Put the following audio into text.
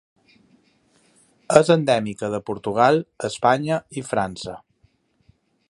És endèmica de Portugal, Espanya i França.